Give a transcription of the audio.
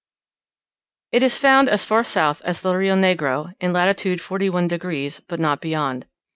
It is found as far south as the Rio Negro, in lat. 41 degs., but not beyond.